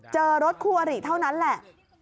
เจอรถคู่อริเท่านั้นแหละ